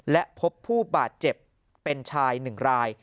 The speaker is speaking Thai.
และพบผู้บาดเจ็บเป็นชาย๑ราย